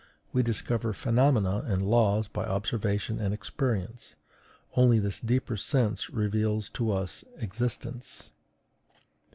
We discover phenomena and laws by observation and experience; only this deeper sense reveals to us existence.